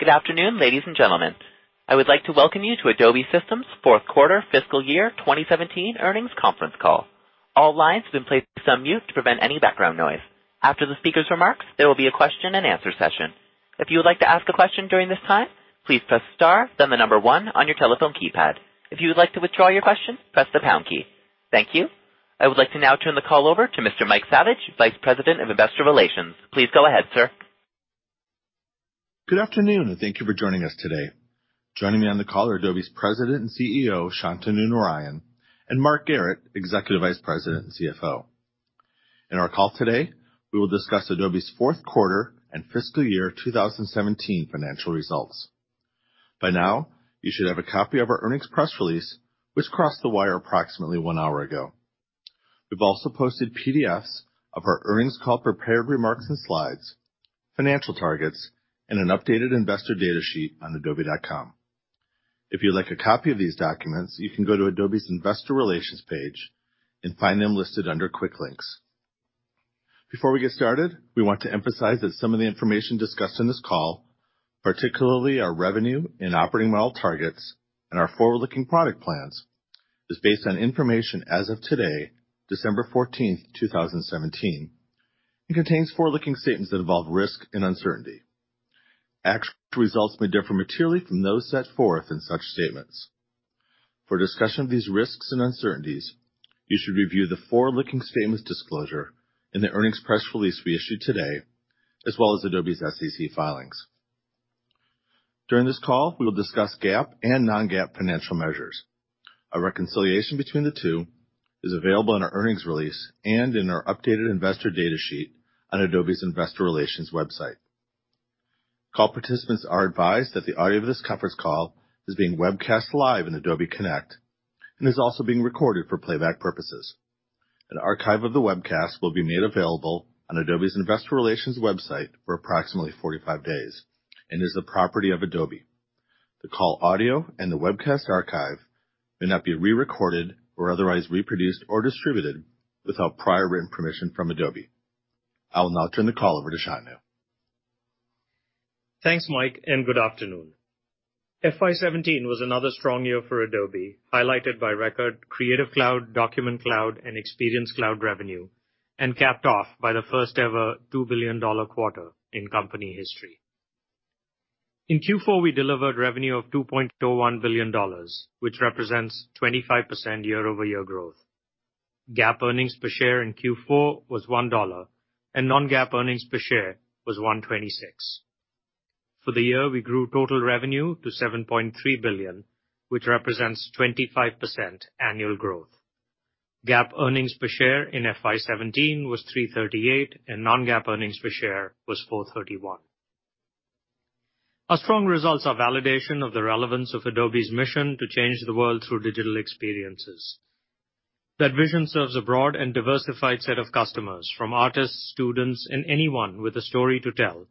Good afternoon, ladies and gentlemen. I would like to welcome you to Adobe Systems' fourth quarter fiscal year 2017 earnings conference call. All lines have been placed on mute to prevent any background noise. After the speaker's remarks, there will be a question and answer session. If you would like to ask a question during this time, please press star then the number one on your telephone keypad. If you would like to withdraw your question, press the pound key. Thank you. I would like to now turn the call over to Mr. Mike Saviage, Vice President of Investor Relations. Please go ahead, sir. Good afternoon. Thank you for joining us today. Joining me on the call are Adobe's President and CEO, Shantanu Narayen, and Mark Garrett, Executive Vice President and CFO. In our call today, we will discuss Adobe's fourth quarter and fiscal year 2017 financial results. By now, you should have a copy of our earnings press release, which crossed the wire approximately one hour ago. We've also posted PDFs of our earnings call, prepared remarks, and slides, financial targets, and an updated investor data sheet on adobe.com. If you'd like a copy of these documents, you can go to Adobe's investor relations page and find them listed under Quick Links. Before we get started, we want to emphasize that some of the information discussed on this call, particularly our revenue and operating model targets and our forward-looking product plans, is based on information as of today, December 14th, 2017, and contains forward-looking statements that involve risk and uncertainty. Actual results may differ materially from those set forth in such statements. For a discussion of these risks and uncertainties, you should review the forward-looking statements disclosure in the earnings press release we issued today, as well as Adobe's SEC filings. During this call, we will discuss GAAP and non-GAAP financial measures. A reconciliation between the two is available in our earnings release and in our updated investor data sheet on Adobe's investor relations website. Call participants are advised that the audio of this conference call is being webcast live on Adobe Connect and is also being recorded for playback purposes. An archive of the webcast will be made available on Adobe's investor relations website for approximately 45 days and is the property of Adobe. The call audio and the webcast archive may not be re-recorded or otherwise reproduced or distributed without prior written permission from Adobe. I will now turn the call over to Shantanu. Thanks, Mike, good afternoon. FY 2017 was another strong year for Adobe, highlighted by record Creative Cloud, Document Cloud, and Experience Cloud revenue, and capped off by the first-ever $2 billion quarter in company history. In Q4, we delivered revenue of $2.01 billion, which represents 25% year-over-year growth. GAAP earnings per share in Q4 was $1, and non-GAAP earnings per share was $1.26. For the year, we grew total revenue to $7.3 billion, which represents 25% annual growth. GAAP earnings per share in FY 2017 was $3.38, and non-GAAP earnings per share was $4.31. Our strong results are validation of the relevance of Adobe's mission to change the world through digital experiences. That vision serves a broad and diversified set of customers, from artists, students, and anyone with a story to tell,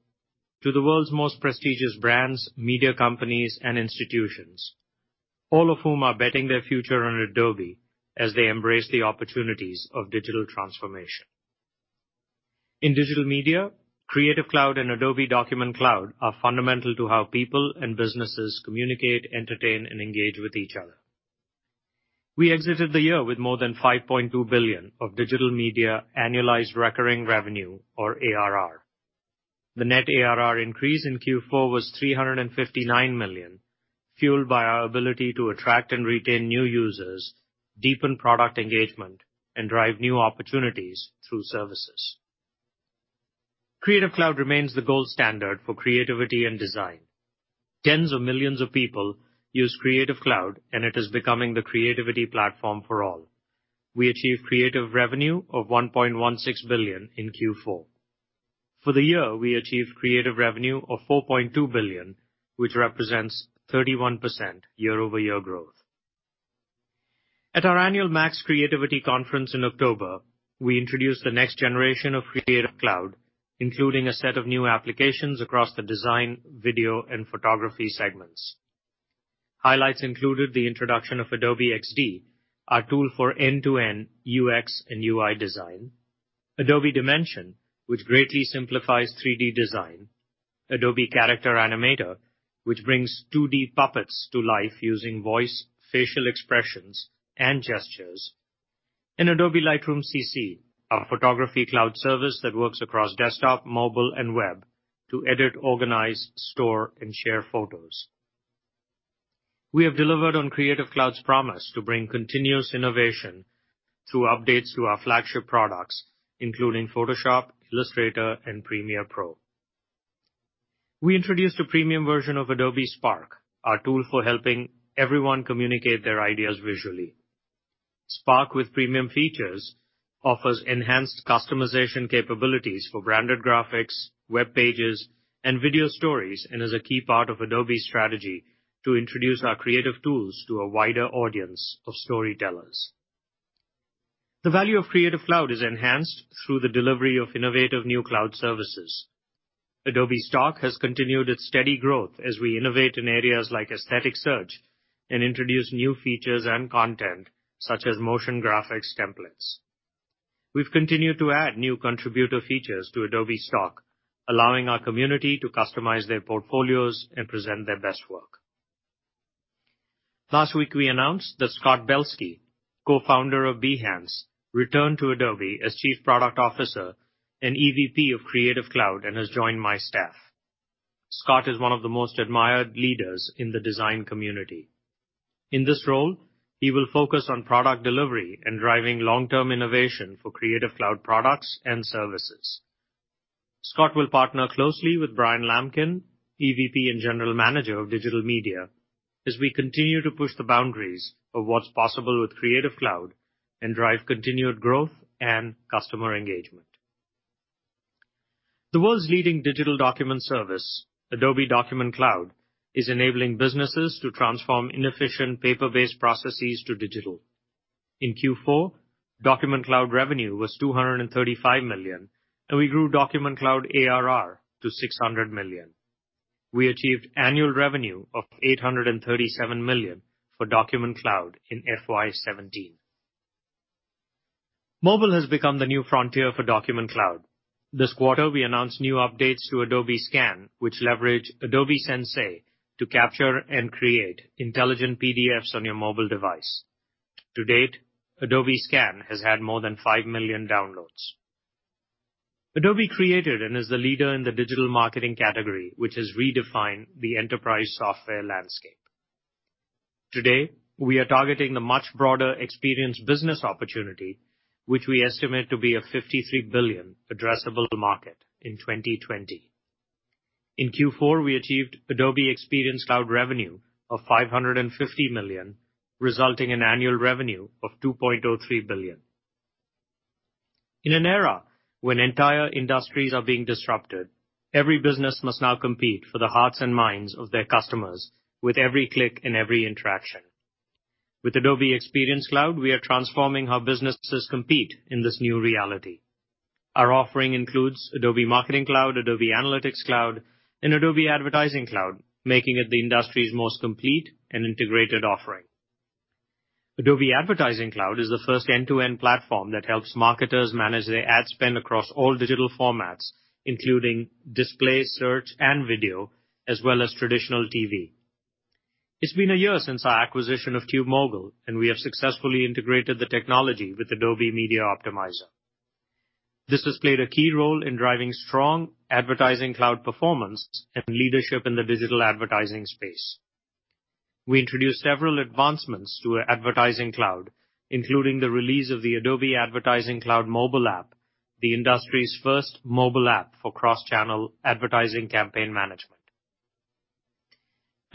to the world's most prestigious brands, media companies, and institutions, all of whom are betting their future on Adobe as they embrace the opportunities of digital transformation. In digital media, Creative Cloud and Adobe Document Cloud are fundamental to how people and businesses communicate, entertain, and engage with each other. We exited the year with more than $5.2 billion of digital media annualized recurring revenue or ARR. The net ARR increase in Q4 was $359 million, fueled by our ability to attract and retain new users, deepen product engagement, and drive new opportunities through services. Creative Cloud remains the gold standard for creativity and design. Tens of millions of people use Creative Cloud, and it is becoming the creativity platform for all. We achieved creative revenue of $1.16 billion in Q4. For the year, we achieved creative revenue of $4.2 billion, which represents 31% year-over-year growth. At our annual Max Creativity Conference in October, we introduced the next generation of Creative Cloud, including a set of new applications across the design, video, and photography segments. Highlights included the introduction of Adobe XD, our tool for end-to-end UX and UI design, Adobe Dimension, which greatly simplifies 3D design, Adobe Character Animator, which brings 2D puppets to life using voice, facial expressions, and gestures, and Adobe Lightroom CC, our photography cloud service that works across desktop, mobile, and web to edit, organize, store, and share photos. We have delivered on Creative Cloud's promise to bring continuous innovation through updates to our flagship products, including Photoshop, Illustrator, and Premiere Pro. We introduced a premium version of Adobe Spark, our tool for helping everyone communicate their ideas visually. Spark with premium features offers enhanced customization capabilities for branded graphics, web pages, and video stories, and is a key part of Adobe's strategy to introduce our creative tools to a wider audience of storytellers. The value of Creative Cloud is enhanced through the delivery of innovative new cloud services. Adobe Stock has continued its steady growth as we innovate in areas like aesthetic search and introduce new features and content such as motion graphics templates. We've continued to add new contributor features to Adobe Stock, allowing our community to customize their portfolios and present their best work. Last week, we announced that Scott Belsky, co-founder of Behance, returned to Adobe as Chief Product Officer and EVP of Creative Cloud and has joined my staff. Scott is one of the most admired leaders in the design community. In this role, he will focus on product delivery and driving long-term innovation for Creative Cloud products and services. Scott will partner closely with Bryan Lamkin, EVP and General Manager of Digital Media, as we continue to push the boundaries of what's possible with Creative Cloud and drive continued growth and customer engagement. The world's leading digital document service, Adobe Document Cloud, is enabling businesses to transform inefficient paper-based processes to digital. In Q4, Document Cloud revenue was $235 million, and we grew Document Cloud ARR to $600 million. We achieved annual revenue of $837 million for Document Cloud in FY 2017. Mobile has become the new frontier for Document Cloud. This quarter, we announced new updates to Adobe Scan, which leverage Adobe Sensei to capture and create intelligent PDFs on your mobile device. To date, Adobe Scan has had more than five million downloads. Adobe created and is the leader in the digital marketing category, which has redefined the enterprise software landscape. Today, we are targeting the much broader experience business opportunity, which we estimate to be a $53 billion addressable market in 2020. In Q4, we achieved Adobe Experience Cloud revenue of $550 million, resulting in annual revenue of $2.03 billion. In an era when entire industries are being disrupted, every business must now compete for the hearts and minds of their customers with every click and every interaction. With Adobe Experience Cloud, we are transforming how businesses compete in this new reality. Our offering includes Adobe Marketing Cloud, Adobe Analytics Cloud, and Adobe Advertising Cloud, making it the industry's most complete and integrated offering. Adobe Advertising Cloud is the first end-to-end platform that helps marketers manage their ad spend across all digital formats, including display, search, and video, as well as traditional TV. It's been a year since our acquisition of TubeMogul, and we have successfully integrated the technology with Adobe Media Optimizer. This has played a key role in driving strong Advertising Cloud performance and leadership in the digital advertising space. We introduced several advancements to our Advertising Cloud, including the release of the Adobe Advertising Cloud mobile app, the industry's first mobile app for cross-channel advertising campaign management.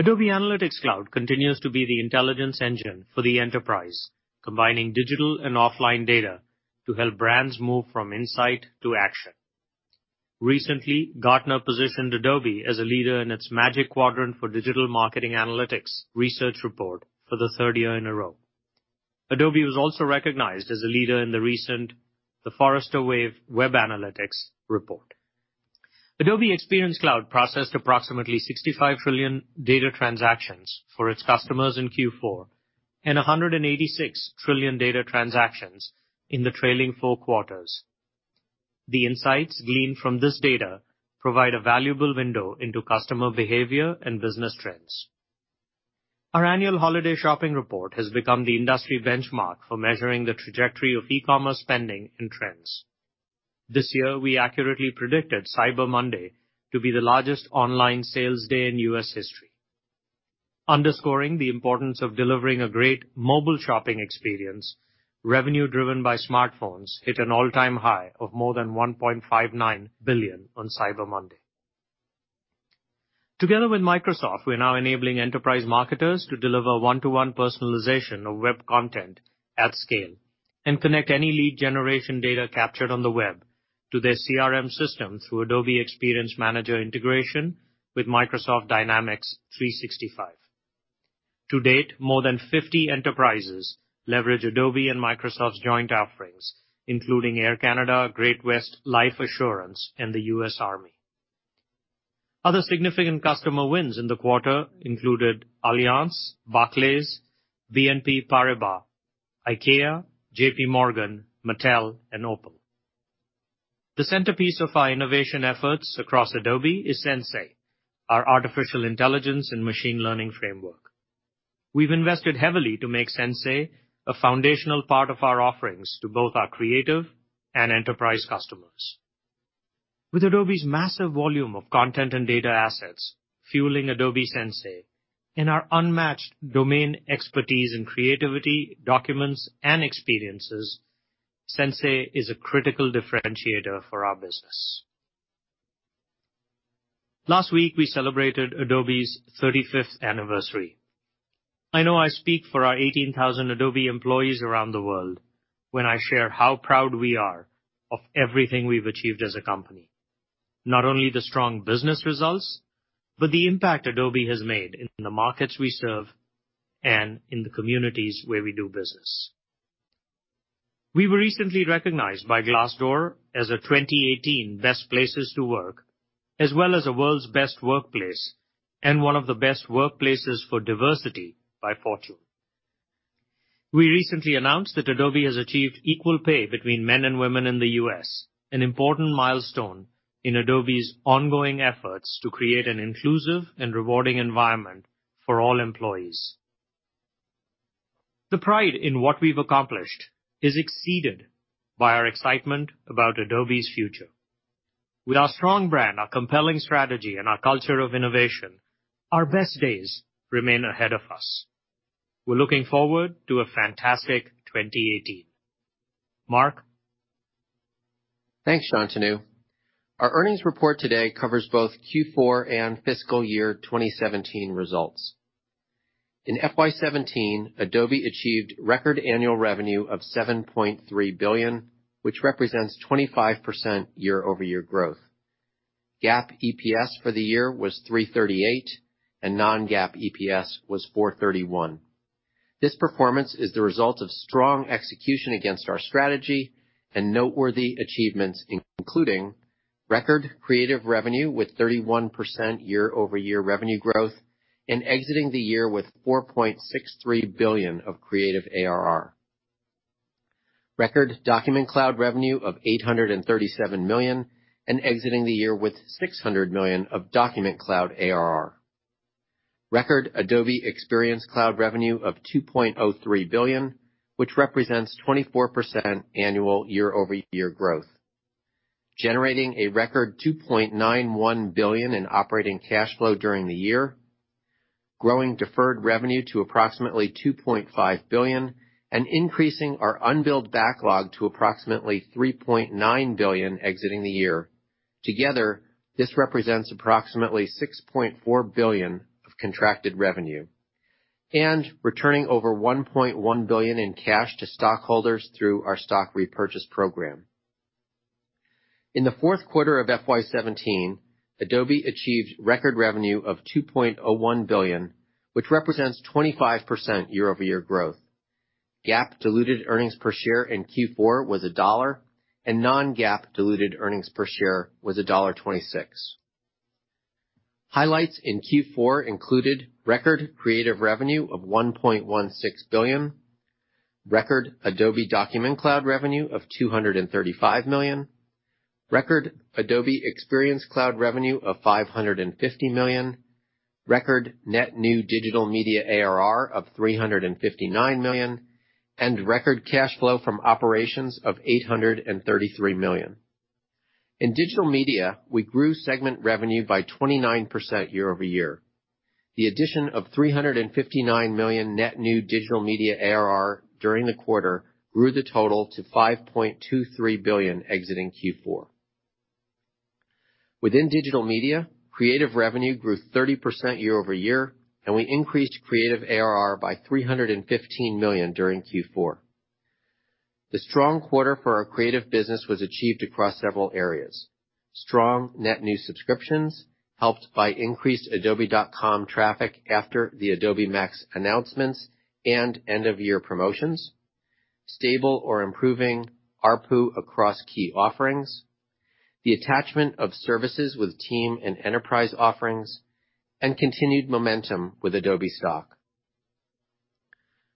Adobe Analytics Cloud continues to be the intelligence engine for the enterprise, combining digital and offline data to help brands move from insight to action. Recently, Gartner positioned Adobe as a leader in its Magic Quadrant for Digital Marketing Analytics research report for the third year in a row. Adobe was also recognized as a leader in the recent The Forrester Wave web analytics report. Adobe Experience Cloud processed approximately 65 trillion data transactions for its customers in Q4 and 186 trillion data transactions in the trailing four quarters. The insights gleaned from this data provide a valuable window into customer behavior and business trends. Our annual holiday shopping report has become the industry benchmark for measuring the trajectory of e-commerce spending and trends. This year, we accurately predicted Cyber Monday to be the largest online sales day in U.S. history. Underscoring the importance of delivering a great mobile shopping experience, revenue driven by smartphones hit an all-time high of more than $1.59 billion on Cyber Monday. Together with Microsoft, we're now enabling enterprise marketers to deliver one-to-one personalization of web content at scale and connect any lead generation data captured on the web to their CRM system through Adobe Experience Manager integration with Microsoft Dynamics 365. To date, more than 50 enterprises leverage Adobe and Microsoft's joint offerings, including Air Canada, The Great-West Life Assurance Company, and the U.S. Army. Other significant customer wins in the quarter included Allianz, Barclays, BNP Paribas, IKEA, JP Morgan, Mattel, and Opel. The centerpiece of our innovation efforts across Adobe is Adobe Sensei, our artificial intelligence and machine learning framework. We've invested heavily to make Adobe Sensei a foundational part of our offerings to both our creative and enterprise customers. With Adobe's massive volume of content and data assets fueling Adobe Sensei and our unmatched domain expertise in creativity, documents, and experiences, Adobe Sensei is a critical differentiator for our business. Last week, we celebrated Adobe's 35th anniversary. I know I speak for our 18,000 Adobe employees around the world when I share how proud we are of everything we've achieved as a company. Not only the strong business results, but the impact Adobe has made in the markets we serve and in the communities where we do business. We were recently recognized by Glassdoor as a 2018 Best Places to Work as well as the world's best workplace and one of the best workplaces for diversity by Fortune. We recently announced that Adobe has achieved equal pay between men and women in the U.S., an important milestone in Adobe's ongoing efforts to create an inclusive and rewarding environment for all employees. The pride in what we've accomplished is exceeded by our excitement about Adobe's future. With our strong brand, our compelling strategy, and our culture of innovation, our best days remain ahead of us. We're looking forward to a fantastic 2018. Mark? Thanks, Shantanu. Our earnings report today covers both Q4 and fiscal year 2017 results. In FY 2017, Adobe achieved record annual revenue of $7.3 billion, which represents 25% year-over-year growth. GAAP EPS for the year was $3.38, and non-GAAP EPS was $4.31. This performance is the result of strong execution against our strategy and noteworthy achievements, including record Creative revenue with 31% year-over-year revenue growth and exiting the year with $4.63 billion of Creative ARR. Record Document Cloud revenue of $837 million and exiting the year with $600 million of Document Cloud ARR. Record Adobe Experience Cloud revenue of $2.03 billion, which represents 24% annual year-over-year growth. Generating a record $2.91 billion in operating cash flow during the year, growing deferred revenue to approximately $2.5 billion and increasing our unbilled backlog to approximately $3.9 billion exiting the year. Together, this represents approximately $6.4 billion of contracted revenue. Returning over $1.1 billion in cash to stockholders through our stock repurchase program. In the fourth quarter of FY 2017, Adobe achieved record revenue of $2.01 billion, which represents 25% year-over-year growth. GAAP diluted earnings per share in Q4 was $1, and non-GAAP diluted earnings per share was $1.26. Highlights in Q4 included record Creative revenue of $1.16 billion, record Adobe Document Cloud revenue of $235 million, record Adobe Experience Cloud revenue of $550 million, record net new Digital Media ARR of $359 million, and record cash flow from operations of $833 million. In Digital Media, we grew segment revenue by 29% year-over-year. The addition of $359 million net new Digital Media ARR during the quarter grew the total to $5.23 billion exiting Q4. Within Digital Media, Creative revenue grew 30% year-over-year, and we increased Creative ARR by $315 million during Q4. The strong quarter for our Creative business was achieved across several areas. Strong net new subscriptions helped by increased adobe.com traffic after the Adobe MAX announcements and end-of-year promotions, stable or improving ARPU across key offerings, the attachment of services with team and enterprise offerings, and continued momentum with Adobe Stock.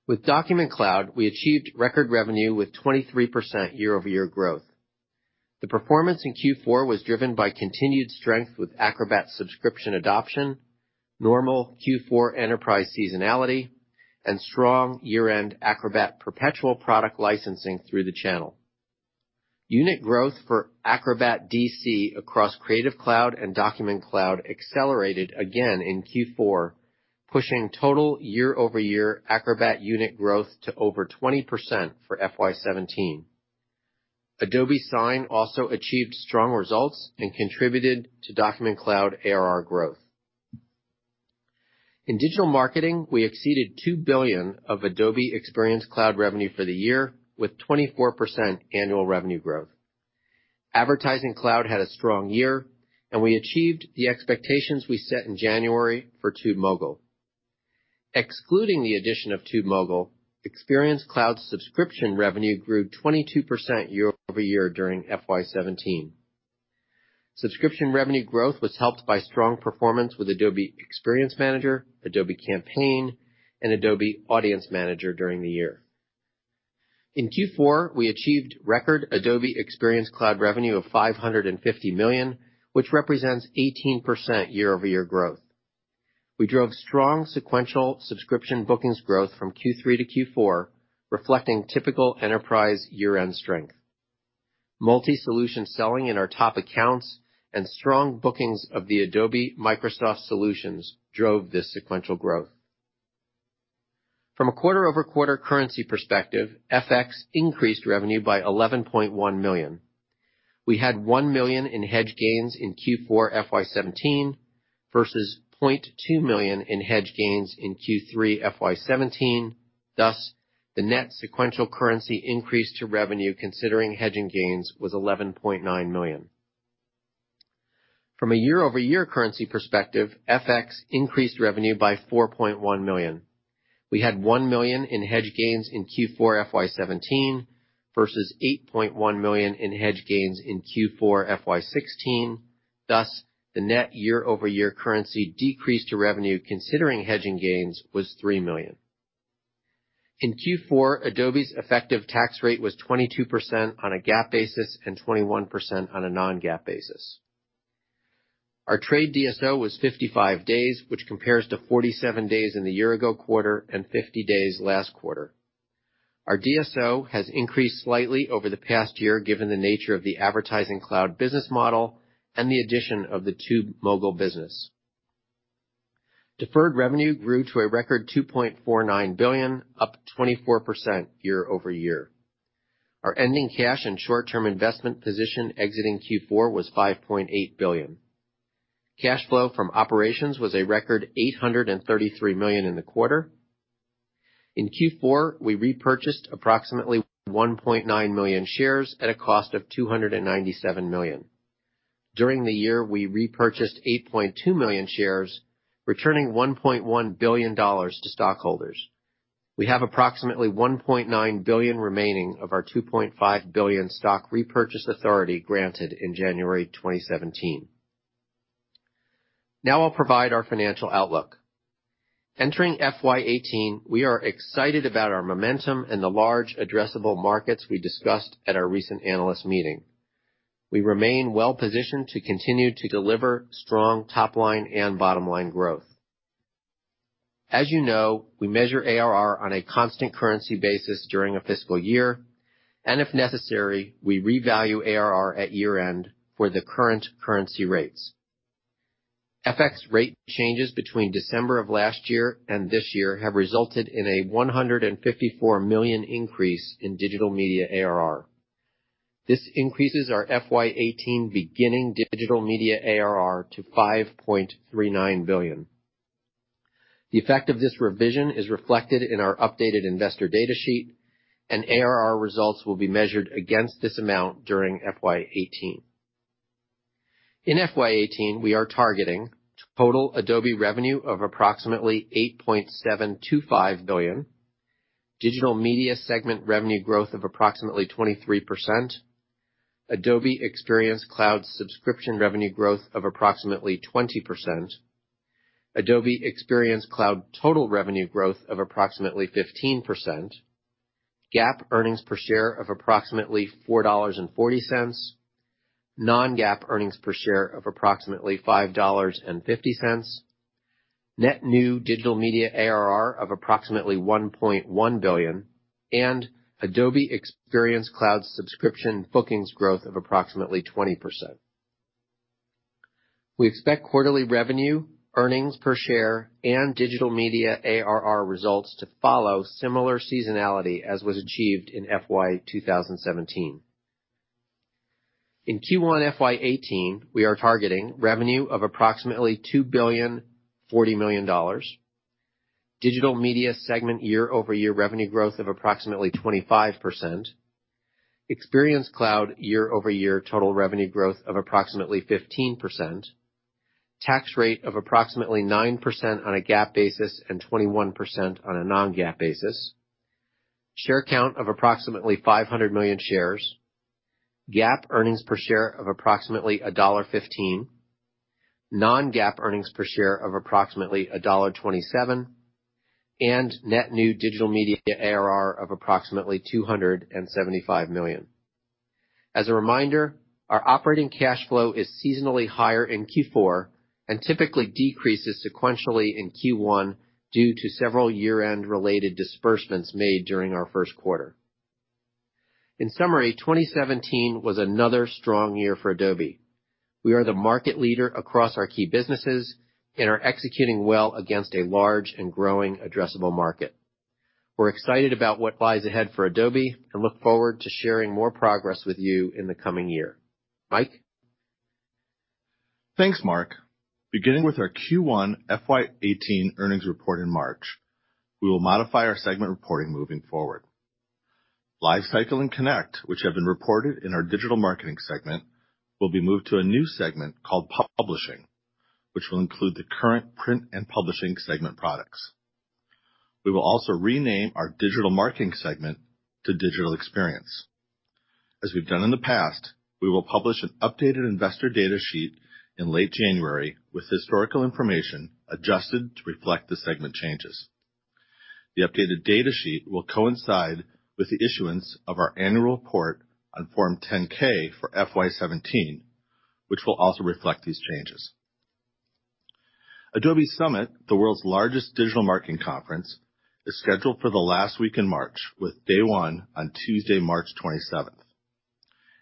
With Document Cloud, we achieved record revenue with 23% year-over-year growth. The performance in Q4 was driven by continued strength with Acrobat subscription adoption, normal Q4 enterprise seasonality, and strong year-end Acrobat perpetual product licensing through the channel. Unit growth for Acrobat DC across Creative Cloud and Document Cloud accelerated again in Q4, pushing total year-over-year Acrobat unit growth to over 20% for FY 2017. Adobe Sign also achieved strong results and contributed to Document Cloud ARR growth. In digital marketing, we exceeded $2 billion of Adobe Experience Cloud revenue for the year with 24% annual revenue growth. Adobe Advertising Cloud had a strong year, and we achieved the expectations we set in January for TubeMogul. Excluding the addition of TubeMogul, Adobe Experience Cloud subscription revenue grew 22% year-over-year during FY 2017. Subscription revenue growth was helped by strong performance with Adobe Experience Manager, Adobe Campaign, and Adobe Audience Manager during the year. In Q4, we achieved record Adobe Experience Cloud revenue of $550 million, which represents 18% year-over-year growth. We drove strong sequential subscription bookings growth from Q3 to Q4, reflecting typical enterprise year-end strength. Multi-solution selling in our top accounts and strong bookings of the Adobe/Microsoft solutions drove this sequential growth. From a quarter-over-quarter currency perspective, FX increased revenue by $11.1 million. We had $1 million in hedge gains in Q4 FY 2017 versus $0.2 million in hedge gains in Q3 FY 2017. Thus, the net sequential currency increase to revenue considering hedging gains was $11.9 million. From a year-over-year currency perspective, FX increased revenue by $4.1 million. We had $1 million in hedge gains in Q4 FY 2017 versus $8.9 million in hedge gains in Q4 FY 2016. Thus, the net year-over-year currency decrease to revenue considering hedging gains was $3 million. In Q4, Adobe's effective tax rate was 22% on a GAAP basis and 21% on a non-GAAP basis. Our trade DSO was 55 days, which compares to 47 days in the year-ago quarter and 50 days last quarter. Our DSO has increased slightly over the past year, given the nature of the Adobe Advertising Cloud business model and the addition of the TubeMogul business. Deferred revenue grew to a record $2.49 billion, up 24% year-over-year. Our ending cash and short-term investment position exiting Q4 was $5.8 billion. Cash flow from operations was a record $833 million in the quarter. In Q4, we repurchased approximately 1.9 million shares at a cost of $297 million. During the year, we repurchased 8.2 million shares, returning $1.1 billion to stockholders. We have approximately $1.9 billion remaining of our $2.5 billion stock repurchase authority granted in January 2017. Now I'll provide our financial outlook. Entering FY 2018, we are excited about our momentum and the large addressable markets we discussed at our recent analyst meeting. We remain well-positioned to continue to deliver strong top-line and bottom-line growth. As you know, we measure ARR on a constant currency basis during a fiscal year, and if necessary, we revalue ARR at year-end for the current currency rates. FX rate changes between December of last year and this year have resulted in a $154 million increase in Digital Media ARR. This increases our FY 2018 beginning Digital Media ARR to $5.39 billion. The effect of this revision is reflected in our updated investor data sheet, ARR results will be measured against this amount during FY 2018. In FY 2018, we are targeting total Adobe revenue of approximately $8.725 billion, Digital Media segment revenue growth of approximately 23%, Adobe Experience Cloud subscription revenue growth of approximately 20%, Adobe Experience Cloud total revenue growth of approximately 15%, GAAP earnings per share of approximately $4.40, non-GAAP earnings per share of approximately $5.50, net new Digital Media ARR of approximately $1.1 billion, and Adobe Experience Cloud subscription bookings growth of approximately 20%. We expect quarterly revenue, earnings per share, and Digital Media ARR results to follow similar seasonality as was achieved in FY 2017. In Q1 FY 2018, we are targeting revenue of approximately $2.04 billion, Digital Media segment year-over-year revenue growth of approximately 25%, Experience Cloud year-over-year total revenue growth of approximately 15%, tax rate of approximately 9% on a GAAP basis and 21% on a non-GAAP basis, share count of approximately 500 million shares, GAAP earnings per share of approximately $1.15, non-GAAP earnings per share of approximately $1.27, and net new Digital Media ARR of approximately $275 million. As a reminder, our operating cash flow is seasonally higher in Q4 and typically decreases sequentially in Q1 due to several year-end related disbursements made during our first quarter. In summary, 2017 was another strong year for Adobe. We are the market leader across our key businesses and are executing well against a large and growing addressable market. We're excited about what lies ahead for Adobe and look forward to sharing more progress with you in the coming year. Mike? Thanks, Mark. Beginning with our Q1 FY 2018 earnings report in March, we will modify our segment reporting moving forward. Adobe LiveCycle and Adobe Connect, which have been reported in our Digital Marketing segment, will be moved to a new segment called Publishing, which will include the current Print and Publishing segment products. We will also rename our Digital Marketing segment to Digital Experience. As we've done in the past, we will publish an updated investor data sheet in late January with historical information adjusted to reflect the segment changes. The updated data sheet will coincide with the issuance of our annual report on Form 10-K for FY 2017, which will also reflect these changes. Adobe Summit, the world's largest digital marketing conference, is scheduled for the last week in March, with day one on Tuesday, March 27th.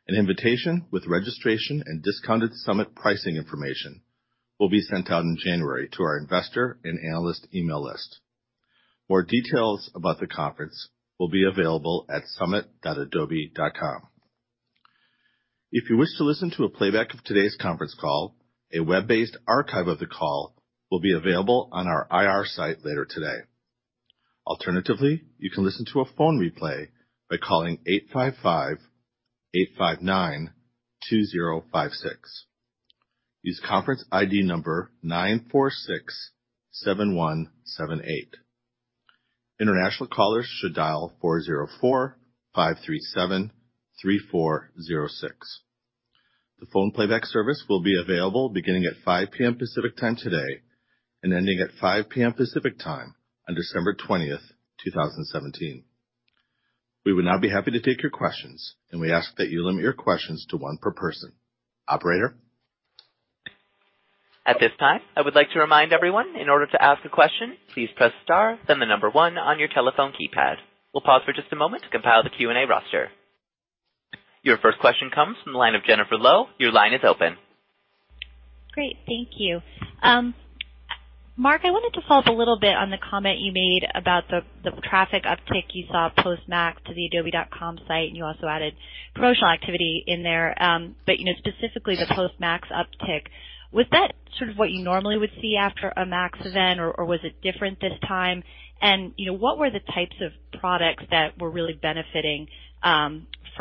An invitation with registration and discounted summit pricing information will be sent out in January to our investor and analyst email list. More details about the conference will be available at summit.adobe.com. If you wish to listen to a playback of today's conference call, a web-based archive of the call will be available on our IR site later today. Alternatively, you can listen to a phone replay by calling 855-859-2056. Use conference ID number 9467178. International callers should dial 404-537-3406. The phone playback service will be available beginning at 5:00 P.M. Pacific Time today and ending at 5:00 P.M. Pacific Time on December 20, 2017. We would now be happy to take your questions, and we ask that you limit your questions to one per person. Operator? At this time, I would like to remind everyone, in order to ask a question, please press star, then the number one on your telephone keypad. We'll pause for just a moment to compile the Q&A roster. Your first question comes from the line of Jennifer Lowe. Your line is open. Great. Thank you. Mark, I wanted to follow up a little bit on the comment you made about the traffic uptick you saw post MAX to the adobe.com site, and you also added promotional activity in there. Specifically the post MAX uptick. Was that sort of what you normally would see after a MAX event, or was it different this time? What were the types of products that were really benefiting from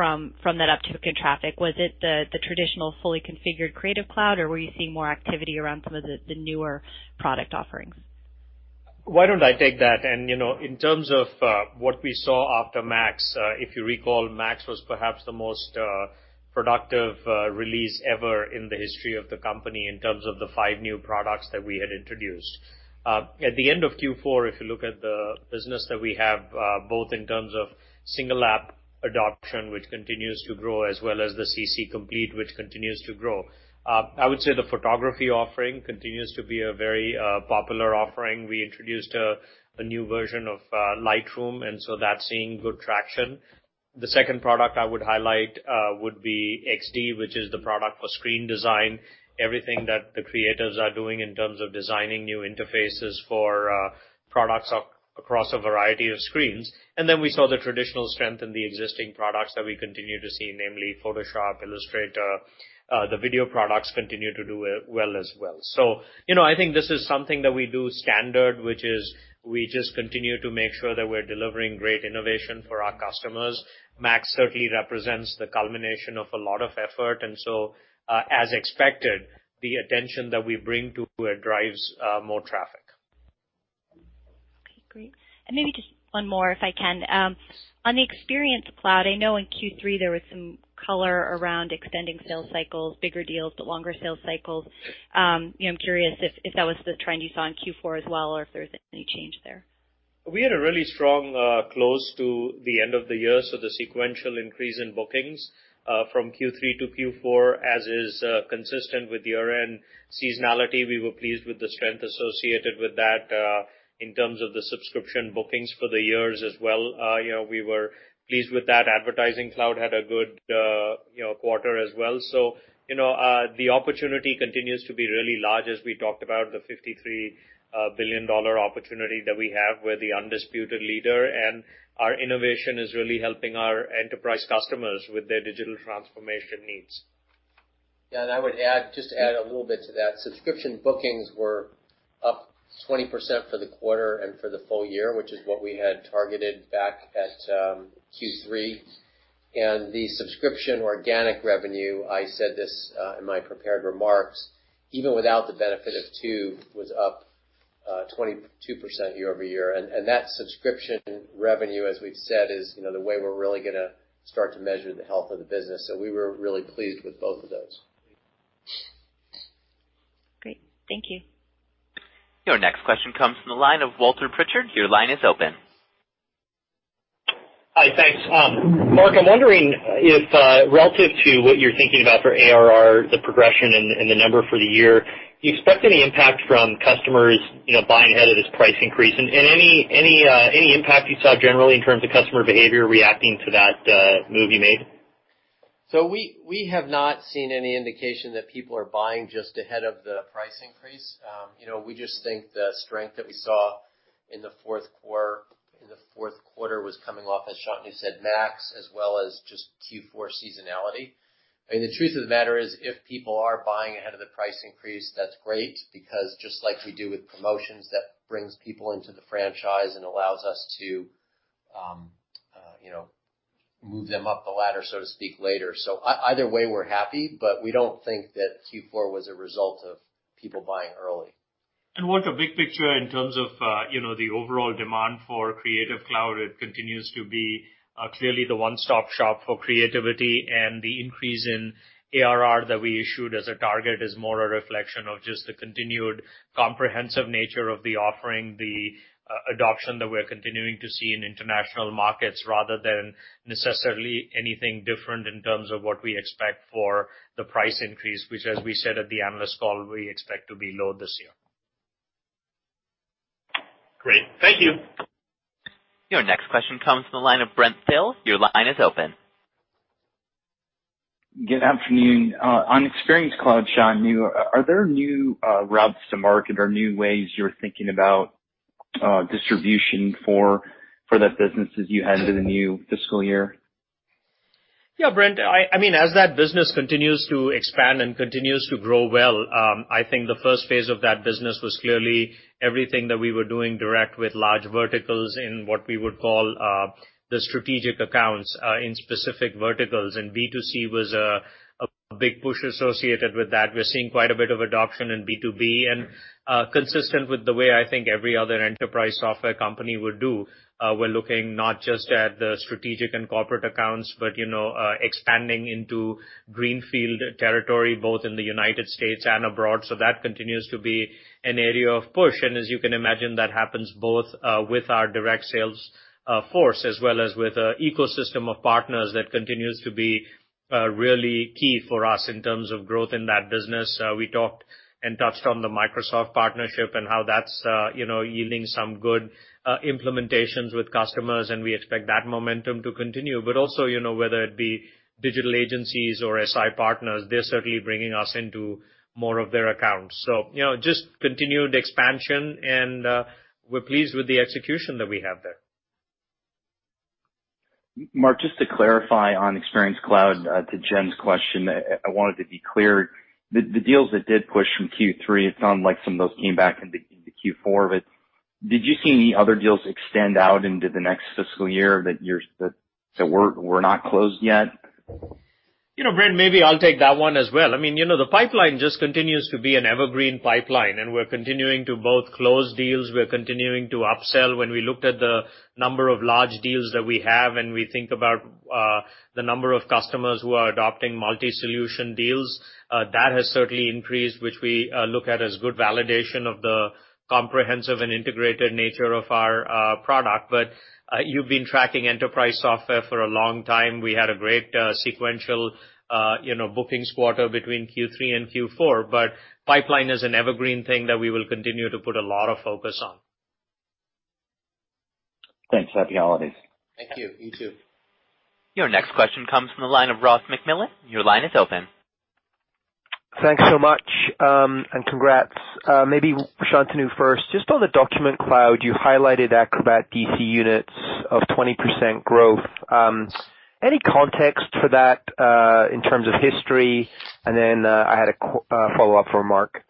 that uptick in traffic? Was it the traditional fully configured Creative Cloud, or were you seeing more activity around some of the newer product offerings? Why don't I take that? In terms of what we saw after Adobe MAX, if you recall, Adobe MAX was perhaps the most productive release ever in the history of the company in terms of the five new products that we had introduced. At the end of Q4, if you look at the business that we have, both in terms of single app adoption, which continues to grow, as well as the CC Complete, which continues to grow. I would say the photography offering continues to be a very popular offering. We introduced a new version of Adobe Lightroom, so that's seeing good traction. The second product I would highlight would be Adobe XD, which is the product for screen design, everything that the creatives are doing in terms of designing new interfaces for products across a variety of screens. We saw the traditional strength in the existing products that we continue to see, namely Photoshop, Illustrator. The video products continue to do well as well. I think this is something that we do standard, which is we just continue to make sure that we're delivering great innovation for our customers. Adobe MAX certainly represents the culmination of a lot of effort, as expected, the attention that we bring to it drives more traffic. Okay, great. Maybe just one more, if I can. On the Adobe Experience Cloud, I know in Q3 there was some color around extending sales cycles, bigger deals, but longer sales cycles. I'm curious if that was the trend you saw in Q4 as well, or if there's any change there. We had a really strong close to the end of the year, the sequential increase in bookings from Q3 to Q4, as is consistent with year-end seasonality. We were pleased with the strength associated with that in terms of the subscription bookings for the years as well. We were pleased with that. Adobe Advertising Cloud had a good quarter as well. The opportunity continues to be really large, as we talked about the $53 billion opportunity that we have. We're the undisputed leader, our innovation is really helping our enterprise customers with their digital transformation needs. I would just add a little bit to that. Subscription bookings were up 20% for the quarter and for the full year, which is what we had targeted back at Q3. The subscription organic revenue, I said this in my prepared remarks, even without the benefit of Tube, was up 22% year-over-year. That subscription revenue, as we've said, is the way we're really going to start to measure the health of the business. We were really pleased with both of those. Great. Thank you. Your next question comes from the line of Walter Pritchard. Your line is open. Hi. Thanks. Mark, I'm wondering if relative to what you're thinking about for ARR, the progression and the number for the year, do you expect any impact from customers buying ahead of this price increase? Any impact you saw generally in terms of customer behavior reacting to that move you made? We have not seen any indication that people are buying just ahead of the price increase. We just think the strength that we saw in the fourth quarter was coming off, as Shantanu said, Adobe MAX, as well as just Q4 seasonality. I mean, the truth of the matter is, if people are buying ahead of the price increase, that's great, because just like we do with promotions, that brings people into the franchise and allows us to move them up the ladder, so to speak, later. Either way, we're happy, but we don't think that Q4 was a result of people buying early. Walter, big picture in terms of the overall demand for Creative Cloud, it continues to be clearly the one-stop shop for creativity, and the increase in ARR that we issued as a target is more a reflection of just the continued comprehensive nature of the offering, the adoption that we're continuing to see in international markets rather than necessarily anything different in terms of what we expect for the price increase, which as we said at the analyst call, we expect to be low this year. Great. Thank you. Your next question comes from the line of Brent Thill. Your line is open. Good afternoon. On Experience Cloud, Shantanu, are there new routes to market or new ways you're thinking about distribution for the business as you head into the new fiscal year? Yeah, Brent, as that business continues to expand and continues to grow well, I think the first phase of that business was clearly everything that we were doing direct with large verticals in what we would call the strategic accounts in specific verticals, B2C was a big push associated with that. We're seeing quite a bit of adoption in B2B, consistent with the way I think every other enterprise software company would do, we're looking not just at the strategic and corporate accounts, but expanding into greenfield territory, both in the U.S. and abroad. That continues to be an area of push. As you can imagine, that happens both with our direct sales force as well as with an ecosystem of partners that continues to be really key for us in terms of growth in that business. We talked and touched on the Microsoft partnership and how that's yielding some good implementations with customers, we expect that momentum to continue. Also whether it be digital agencies or SI partners, they're certainly bringing us into more of their accounts. Just continued expansion, and we're pleased with the execution that we have there. Mark, just to clarify on Experience Cloud, to Jen's question, I wanted to be clear. The deals that did push from Q3, it sounded like some of those came back into Q4. Did you see any other deals extend out into the next fiscal year that were not closed yet? Brent, maybe I'll take that one as well. The pipeline just continues to be an evergreen pipeline. We're continuing to both close deals, we're continuing to upsell. When we looked at the number of large deals that we have, and we think about the number of customers who are adopting multi-solution deals, that has certainly increased, which we look at as good validation of the comprehensive and integrated nature of our product. You've been tracking enterprise software for a long time. We had a great sequential bookings quarter between Q3 and Q4. Pipeline is an evergreen thing that we will continue to put a lot of focus on. Thanks. Happy holidays. Thank you. You too. Your next question comes from the line of Ross MacMillan. Your line is open. Thanks so much, and congrats. Maybe Shantanu first. On the Document Cloud, you highlighted Acrobat DC units of 20% growth. Any context for that in terms of history? I had a follow-up for Mark.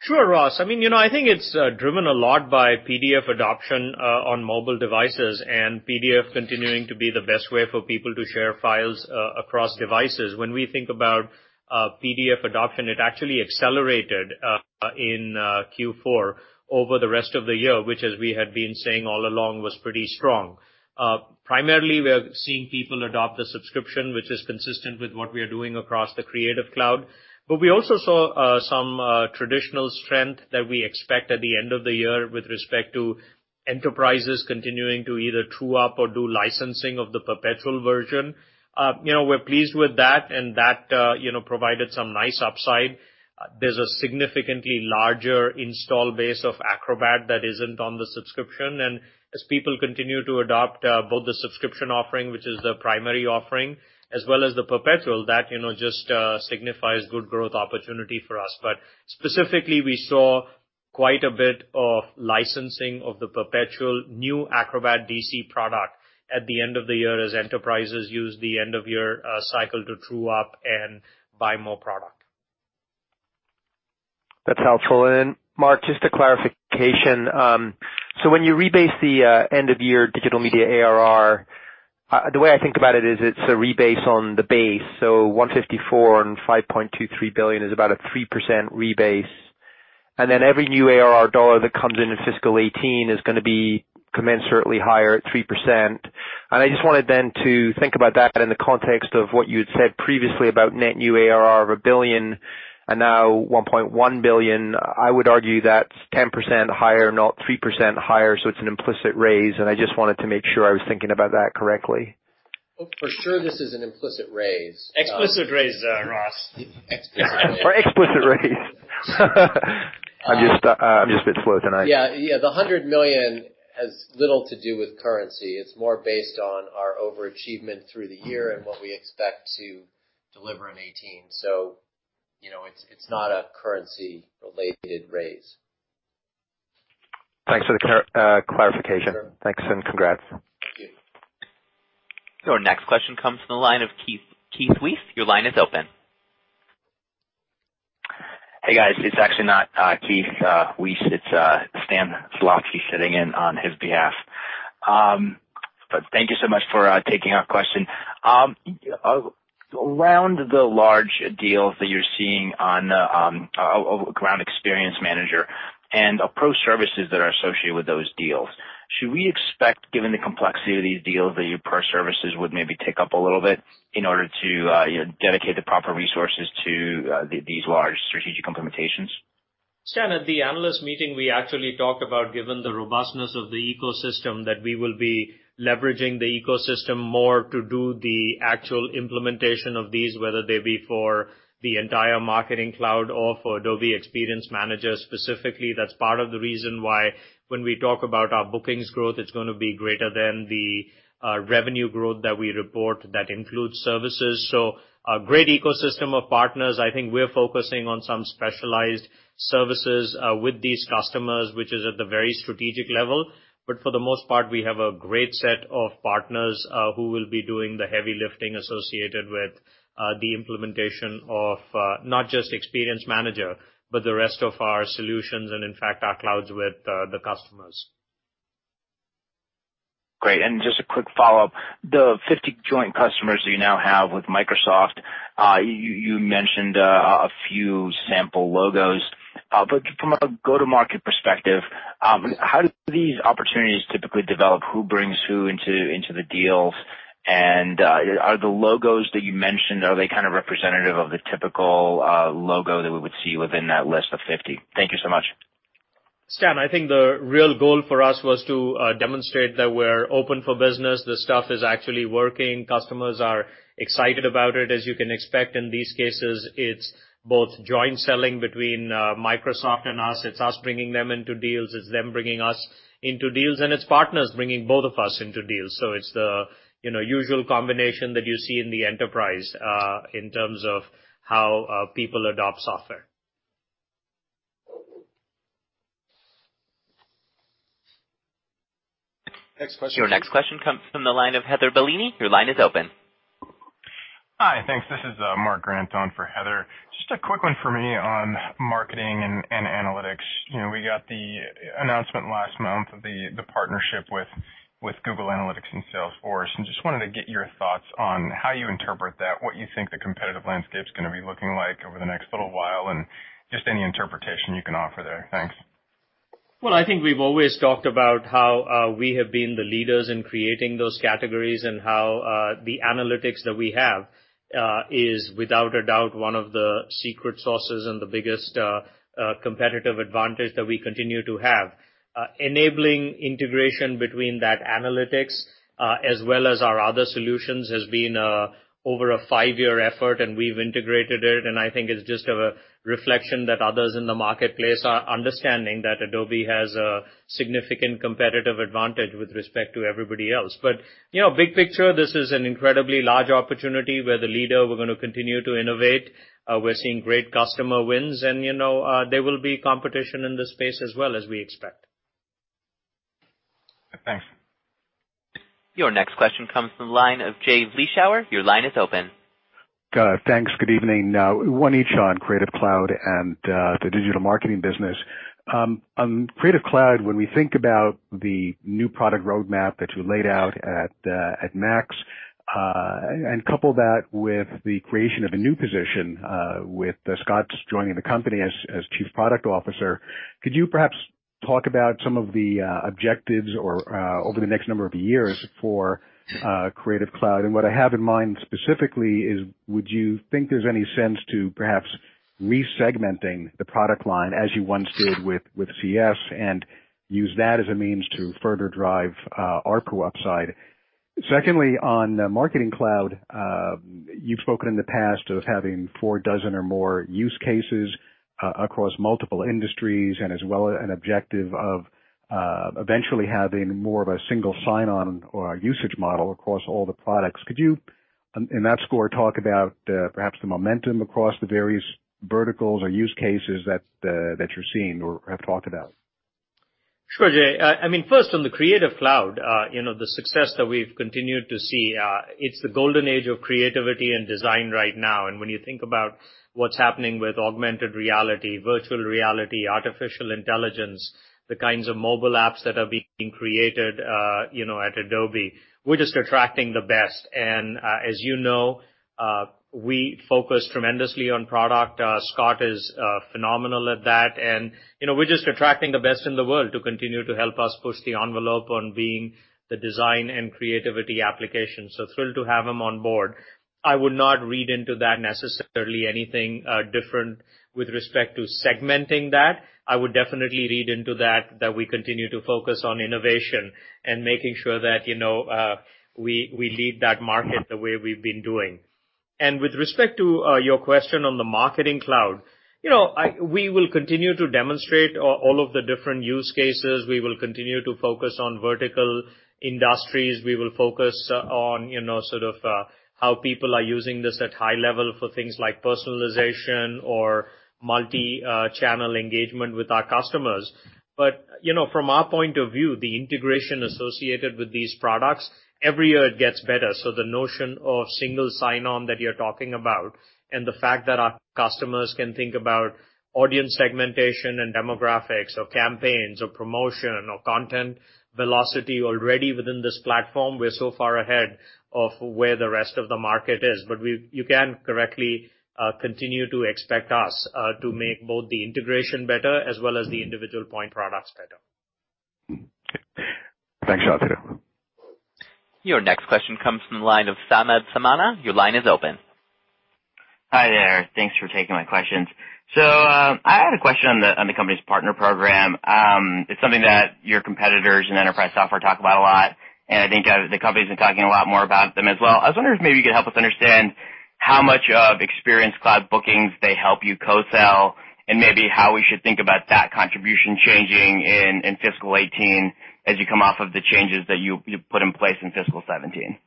Sure, Ross. I think it's driven a lot by PDF adoption on mobile devices, and PDF continuing to be the best way for people to share files across devices. When we think about PDF adoption, it actually accelerated in Q4 over the rest of the year, which, as we had been saying all along, was pretty strong. Primarily, we are seeing people adopt the subscription, which is consistent with what we are doing across the Creative Cloud. We also saw some traditional strength that we expect at the end of the year with respect to enterprises continuing to either true up or do licensing of the perpetual version. We're pleased with that provided some nice upside. There's a significantly larger install base of Acrobat that isn't on the subscription. As people continue to adopt both the subscription offering, which is the primary offering, as well as the perpetual, that just signifies good growth opportunity for us. Specifically, we saw quite a bit of licensing of the perpetual new Acrobat DC product at the end of the year as enterprises use the end-of-year cycle to true up and buy more product. That's helpful. Mark, just a clarification. When you rebase the end-of-year digital media ARR, the way I think about it is it's a rebase on the base. 154 on $5.23 billion is about a 3% rebase. Every new ARR dollar that comes in in FY 2018 is going to be commensurately higher at 3%. I just wanted then to think about that in the context of what you had said previously about net new ARR of $1 billion and now $1.1 billion. I would argue that's 10% higher, not 3% higher. It's an implicit raise, I just wanted to make sure I was thinking about that correctly. For sure, this is an implicit raise. Explicit raise, Ross. Explicit raise. I'm just a bit slow tonight. Yeah. The $100 million has little to do with currency. It's more based on our overachievement through the year and what we expect to deliver in 2018. It's not a currency-related raise. Thanks for the clarification. Sure. Thanks and congrats. Thank you. Your next question comes from the line of Keith Weiss. Your line is open. Hey, guys. It's actually not Keith Weiss. It's Stan Zlotsky sitting in on his behalf. Thank you so much for taking our question. Around the large deals that you're seeing on Experience Manager and pro services that are associated with those deals, should we expect, given the complexity of these deals, that your pro services would maybe tick up a little bit in order to dedicate the proper resources to these large strategic implementations? Stan, at the analyst meeting, we actually talked about, given the robustness of the ecosystem, that we will be leveraging the ecosystem more to do the actual implementation of these, whether they be for the entire Marketing Cloud or for Adobe Experience Manager specifically. That's part of the reason why when we talk about our bookings growth, it's going to be greater than the revenue growth that we report that includes services. A great ecosystem of partners. I think we're focusing on some specialized services with these customers, which is at the very strategic level. For the most part, we have a great set of partners who will be doing the heavy lifting associated with the implementation of not just Experience Manager, but the rest of our solutions and, in fact, our clouds with the customers. Great. Just a quick follow-up. The 50 joint customers that you now have with Microsoft, you mentioned a few sample logos. From a go-to-market perspective, how do these opportunities typically develop? Who brings who into the deals, and are the logos that you mentioned, are they kind of representative of the typical logo that we would see within that list of 50? Thank you so much. Stan, I think the real goal for us was to demonstrate that we're open for business. This stuff is actually working. Customers are excited about it, as you can expect. In these cases, it's both joint selling between Microsoft and us. It's us bringing them into deals. It's them bringing us into deals, and it's partners bringing both of us into deals. It's the usual combination that you see in the enterprise in terms of how people adopt software. Next question. Your next question comes from the line of Heather Bellini. Your line is open. Hi, thanks. This is Mark Grant on for Heather. Just a quick one for me on marketing and analytics. We got the announcement last month of the partnership with Google Analytics and Salesforce, and just wanted to get your thoughts on how you interpret that, what you think the competitive landscape's gonna be looking like over the next little while, and just any interpretation you can offer there. Thanks. Well, I think we've always talked about how we have been the leaders in creating those categories and how the analytics that we have is without a doubt one of the secret sauces and the biggest competitive advantage that we continue to have. Enabling integration between that analytics, as well as our other solutions, has been over a five-year effort, and we've integrated it. I think it's just a reflection that others in the marketplace are understanding that Adobe has a significant competitive advantage with respect to everybody else. Big picture, this is an incredibly large opportunity. We're the leader. We're going to continue to innovate. We're seeing great customer wins, and there will be competition in this space as well, as we expect. Thanks. Your next question comes from the line of Jay Vleeschhouwer. Your line is open. Thanks. Good evening. One each on Creative Cloud and the digital marketing business. On Creative Cloud, when we think about the new product roadmap that you laid out at Adobe MAX, couple that with the creation of a new position with Scott joining the company as Chief Product Officer, could you perhaps talk about some of the objectives over the next number of years for Creative Cloud? What I have in mind specifically is, would you think there's any sense to perhaps re-segmenting the product line as you once did with CS and use that as a means to further drive ARPU upside? Secondly, on Marketing Cloud, you've spoken in the past of having four dozen or more use cases across multiple industries as well an objective of eventually having more of a single sign-on or a usage model across all the products. Could you, in that score, talk about perhaps the momentum across the various verticals or use cases that you're seeing or have talked about? Sure, Jay. First, on the Creative Cloud, the success that we've continued to see, it's the golden age of creativity and design right now. When you think about what's happening with augmented reality, virtual reality, artificial intelligence, the kinds of mobile apps that are being created at Adobe, we're just attracting the best. As you know, we focus tremendously on product. Scott is phenomenal at that. We're just attracting the best in the world to continue to help us push the envelope on being the design and creativity application. Thrilled to have him on board. I would not read into that necessarily anything different with respect to segmenting that. I would definitely read into that we continue to focus on innovation and making sure that we lead that market the way we've been doing. With respect to your question on the Marketing Cloud, we will continue to demonstrate all of the different use cases. We will continue to focus on vertical industries. We will focus on sort of how people are using this at high level for things like personalization or multi-channel engagement with our customers. From our point of view, the integration associated with these products, every year it gets better. The notion of single sign-on that you're talking about and the fact that our customers can think about audience segmentation and demographics or campaigns or promotion or content velocity already within this platform, we're so far ahead of where the rest of the market is. You can correctly continue to expect us to make both the integration better as well as the individual point products better. Thanks, Shantanu. Your next question comes from the line of Samad Samana. Your line is open. Hi there. Thanks for taking my questions. I had a question on the company's partner program. It's something that your competitors in enterprise software talk about a lot, and I think the company's been talking a lot more about them as well. I was wondering if maybe you could help us understand how much of Experience Cloud bookings they help you co-sell and maybe how we should think about that contribution changing in fiscal 2018 as you come off of the changes that you put in place in fiscal 2017.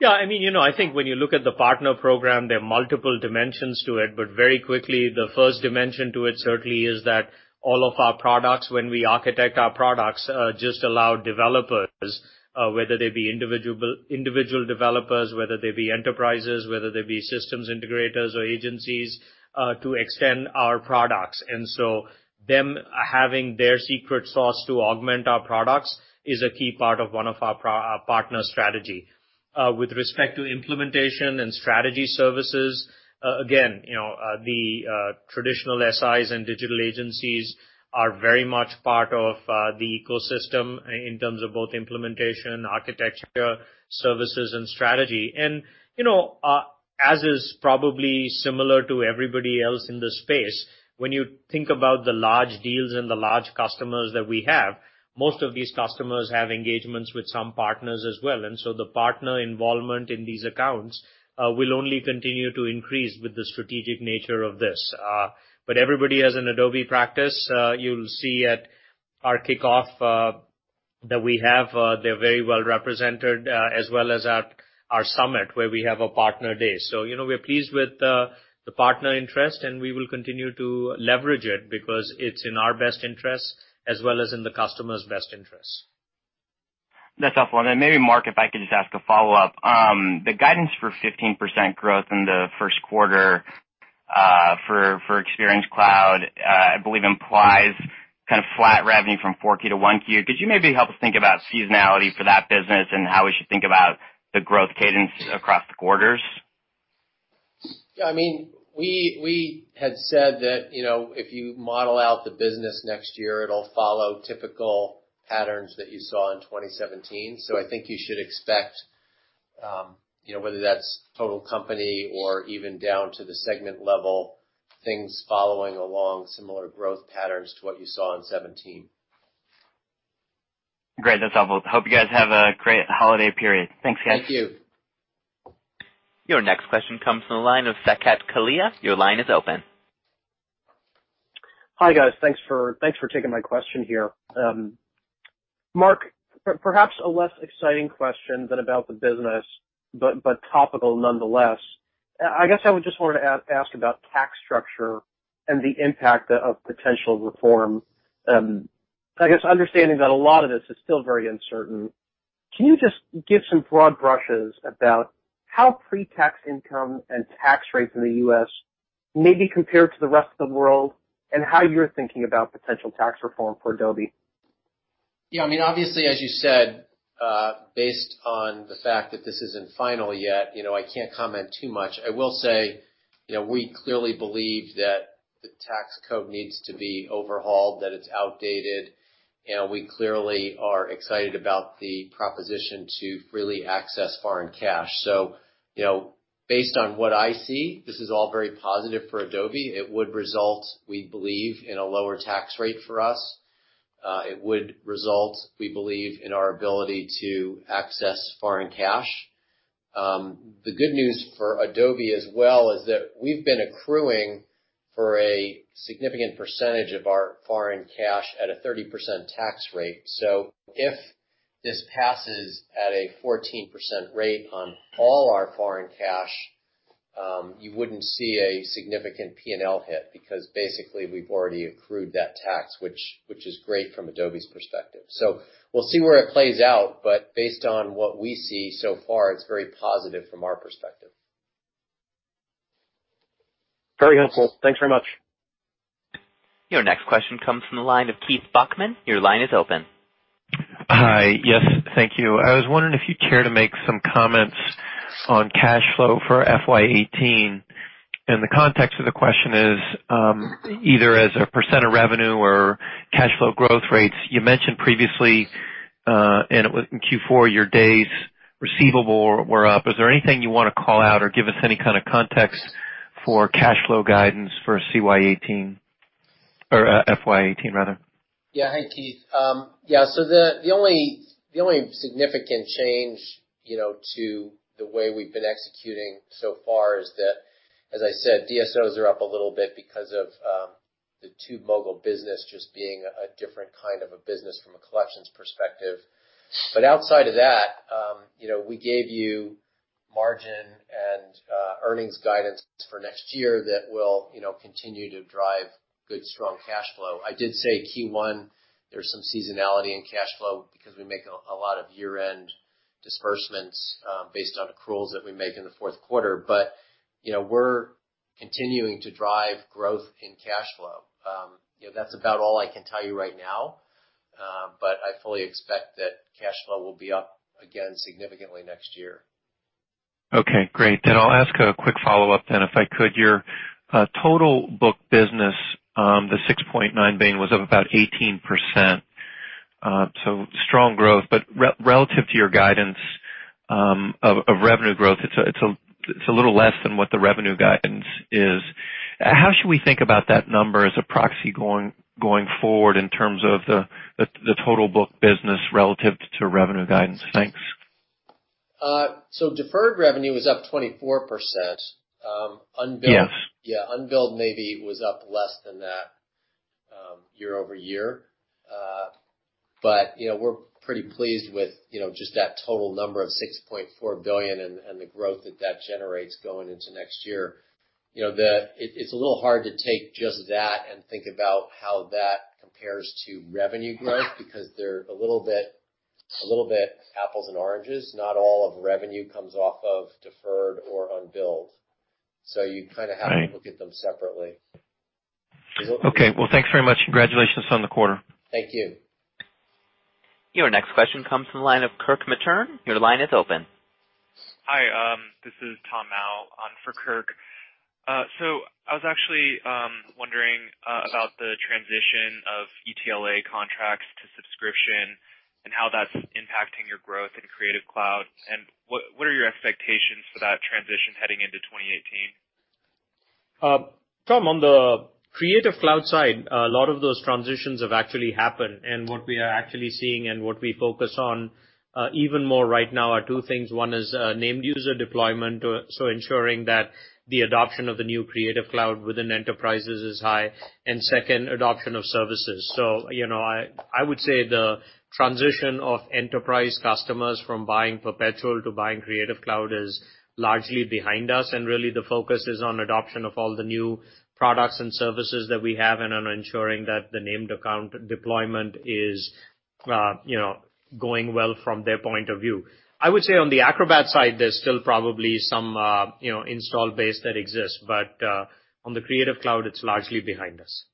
Yeah. I think when you look at the partner program, there are multiple dimensions to it. Very quickly, the first dimension to it certainly is that all of our products, when we architect our products, just allow developers, whether they be individual developers, whether they be enterprises, whether they be systems integrators or agencies, to extend our products. Them having their secret sauce to augment our products is a key part of one of our partner strategy. With respect to implementation and strategy services, again, the traditional SIs and digital agencies are very much part of the ecosystem in terms of both implementation, architecture, services, and strategy. As is probably similar to everybody else in this space, when you think about the large deals and the large customers that we have, most of these customers have engagements with some partners as well. The partner involvement in these accounts will only continue to increase with the strategic nature of this. Everybody has an Adobe practice. You'll see at our kickoff that we have, they're very well represented, as well as at our Adobe Summit, where we have a partner day. We are pleased with the partner interest, and we will continue to leverage it because it's in our best interest as well as in the customer's best interest. That's helpful. Maybe, Mark, if I could just ask a follow-up. The guidance for 15% growth in the first quarter for Experience Cloud, I believe, implies kind of flat revenue from 4Q to 1Q. Could you maybe help us think about seasonality for that business and how we should think about the growth cadence across the quarters? Yeah, we had said that if you model out the business next year, it'll follow typical patterns that you saw in 2017. I think you should expect, whether that's total company or even down to the segment level, things following along similar growth patterns to what you saw in 2017. Great. That's helpful. Hope you guys have a great holiday period. Thanks, guys. Thank you. Your next question comes from the line of Saket Kalia. Your line is open. Hi, guys. Thanks for taking my question here. Mark, perhaps a less exciting question than about the business, but topical nonetheless. I guess I would just want to ask about tax structure and the impact of potential reform. I guess understanding that a lot of this is still very uncertain, can you just give some broad brushes about how pre-tax income and tax rates in the U.S. may be compared to the rest of the world, and how you're thinking about potential tax reform for Adobe? Yeah. Obviously, as you said, based on the fact that this isn't final yet, I can't comment too much. I will say, we clearly believe that the tax code needs to be overhauled, that it's outdated, and we clearly are excited about the proposition to freely access foreign cash. Based on what I see, this is all very positive for Adobe. It would result, we believe, in a lower tax rate for us. It would result, we believe, in our ability to access foreign cash. The good news for Adobe as well is that we've been accruing for a significant percentage of our foreign cash at a 30% tax rate. If this passes at a 14% rate on all our foreign cash, you wouldn't see a significant P&L hit because basically we've already accrued that tax, which is great from Adobe's perspective. We'll see where it plays out, but based on what we see so far, it's very positive from our perspective. Very helpful. Thanks very much. Your next question comes from the line of Keith Bachman. Your line is open. Hi. Yes, thank you. I was wondering if you'd care to make some comments on cash flow for FY 2018, and the context of the question is either as a % of revenue or cash flow growth rates. You mentioned previously, and it was in Q4, your days receivable were up. Is there anything you want to call out or give us any kind of context for cash flow guidance for CY 2018? Or FY 2018, rather. Yeah. Hi, Keith. The only significant change to the way we've been executing so far is that, as I said, DSOs are up a little bit because of the TubeMogul business just being a different kind of a business from a collections perspective. Outside of that, we gave you margin and earnings guidance for next year that will continue to drive good, strong cash flow. I did say Q1, there's some seasonality in cash flow because we make a lot of year-end disbursements based on accruals that we make in the fourth quarter. We're continuing to drive growth in cash flow. That's about all I can tell you right now, I fully expect that cash flow will be up again significantly next year. Okay, great. I'll ask a quick follow-up then, if I could. Your total book business, the $6.9 billion, was up about 18%. Strong growth, relative to your guidance of revenue growth, it's a little less than what the revenue guidance is. How should we think about that number as a proxy going forward in terms of the total book business relative to revenue guidance? Thanks. Deferred revenue was up 24%. Yes. Unbilled maybe was up less than that year-over-year. We're pretty pleased with just that total number of $6.4 billion and the growth that that generates going into next year. It's a little hard to take just that and think about how that compares to revenue growth because they're a little bit apples and oranges. Not all of revenue comes off of deferred or unbilled. You kind of have to look at them separately. Okay. Well, thanks very much. Congratulations on the quarter. Thank you. Your next question comes from the line of Kirk Materne. Your line is open. Hi, this is Tom Mao on for Kirk. I was actually wondering about the transition of ETLA contracts to subscription and how that's impacting your growth in Creative Cloud, and what are your expectations for that transition heading into 2018? Tom, on the Creative Cloud side, a lot of those transitions have actually happened. What we are actually seeing and what we focus on even more right now are two things. One is named user deployment. Ensuring that the adoption of the new Creative Cloud within enterprises is high. Second, adoption of services. I would say the transition of enterprise customers from buying perpetual to buying Creative Cloud is largely behind us, and really the focus is on adoption of all the new products and services that we have and on ensuring that the named account deployment is going well from their point of view. I would say on the Acrobat side, there's still probably some install base that exists. On the Creative Cloud, it's largely behind us.